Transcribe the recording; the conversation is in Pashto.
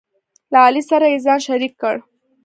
له علي سره یې ځان شریک کړ،